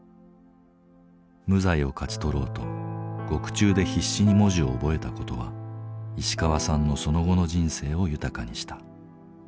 無罪を勝ち取ろうと獄中で必死に文字を覚えた事は石川さんのその後の人生を豊かにした。